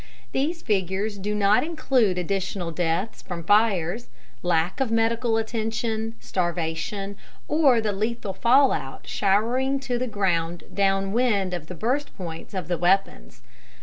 These figures do not include additional deaths from fires, lack of medical attention, starvation, or the lethal fallout showering to the ground downwind of the burst points of the weapons.